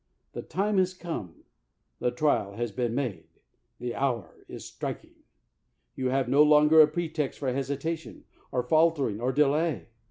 The time has come, the trial has been made, the hour is striking; you have no longer a pretext for hesitation, or faltering, or delay.